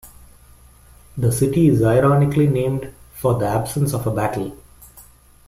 The city is ironically named for the absence of a battle.